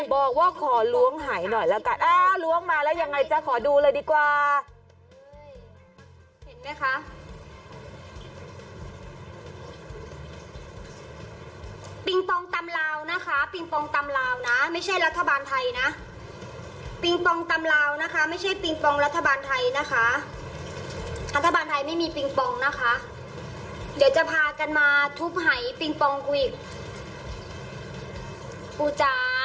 บอกว่าขอล้วงหายหน่อยแล้วกันล้วงมาแล้วยังไงจ๊ะขอดูเลยดีกว่า